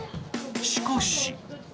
しかし。